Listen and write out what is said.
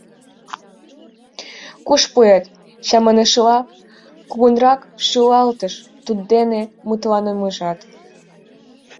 — Куш пуэт... — чаманышыла кугунрак шӱлалтыш туддене мутланышыжат.